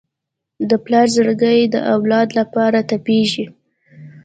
د پلار زړګی د اولاد لپاره تپېږي.